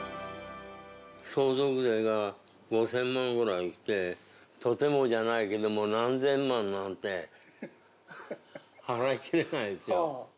相続税がもう５０００万ぐらいして、とてもじゃないけども何千万なんて、払いきれないと。